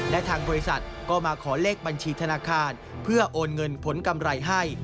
และทางบริษัทก็มาขอเลขบัญชีธนาคารเพื่อโอนเงินผลกำไรให้